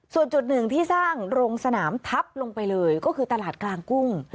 ส่วนจุดหนึ่งที่สร้างโรงสนามทับลงไปเลยก็คือตลาดกลางกุ้ง